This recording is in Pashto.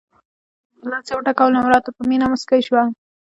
پر لاس یې وټکولم او راته په مینه مسکی شول.